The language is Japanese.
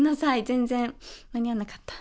全然間に合わなかった。